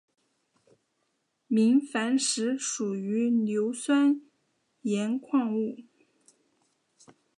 明矾石属于硫酸盐矿物。